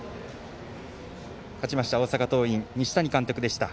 勝ちました大阪桐蔭西谷監督でした。